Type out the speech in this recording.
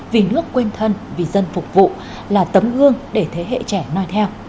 vì nước quên thân vì dân phục vụ là tấm gương để thế hệ trẻ nói theo